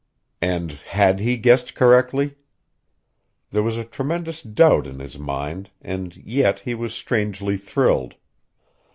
And had he guessed correctly? There was a tremendous doubt in his mind, and yet he was strangely thrilled.